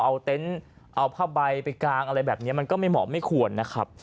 เอาเต็นต์เอาผ้าใบไปกางอะไรแบบนี้มันก็ไม่เหมาะไม่ควรนะครับ